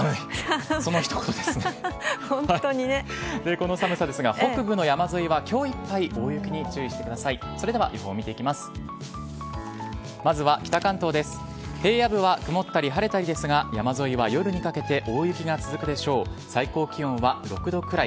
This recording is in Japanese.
この寒さですが、北部の山沿いはきょういっぱい大雪に注意してください。